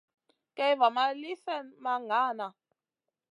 Kay va ma li slèhna ma ŋahna.